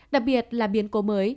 đặc biệt là biến cố mới